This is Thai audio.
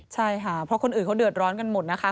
ใช่ค่ะเพราะคนอื่นเขาเดือดร้อนกันหมดนะคะ